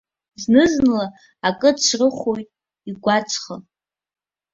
Зны-зынла акы ацрыхоит игәаҵӷа.